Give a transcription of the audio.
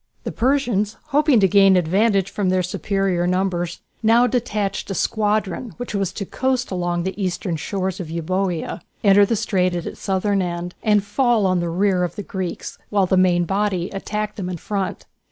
The Persians, hoping to gain an advantage from their superior numbers, now detached a squadron which was to coast along the eastern shores of Euboea, enter the strait at its southern end, and fall on the rear of the Greeks, while the main body attacked them in front.